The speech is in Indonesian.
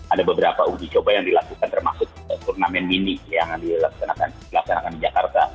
ada beberapa uji coba yang dilakukan termasuk turnamen mini yang dilaksanakan di jakarta